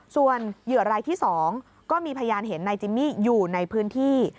ส่วนเหยื่อรายที่๒ก็มีพยานเห็นนายจิมมี่อยู่ในพื้นที่